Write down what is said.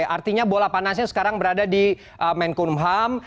artinya bola panasnya sekarang berada di menkumham